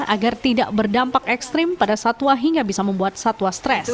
agar tidak berdampak ekstrim pada satwa hingga bisa membuat satwa stres